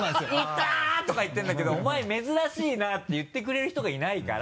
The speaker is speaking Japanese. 「痛っ！」とか言ってるんだけど「お前珍しいな」って言ってくれる人がいないから。